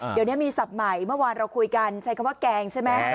เดี๋ยวนี้มีสำคัญมีวันที่เราคุยกันใช้คำว่าแกรงสิไหม